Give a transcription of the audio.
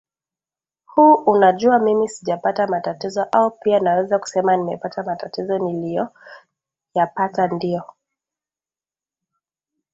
huu Unajua mimi sijapata matatizo au pia naweza kusema nimepata Matatizo niliyoyapata ndiyo